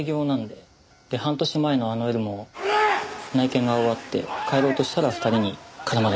で半年前のあの夜も内見が終わって帰ろうとしたら２人に絡まれたんです。